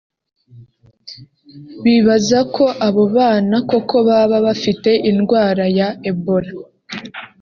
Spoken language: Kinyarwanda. bibaza ko abo bana koko baba bafite indwara ya Ebola